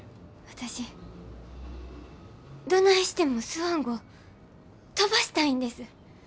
私どないしてもスワン号飛ばしたいんです。